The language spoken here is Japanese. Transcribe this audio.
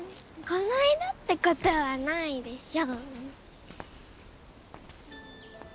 こないだってことはないでしょ。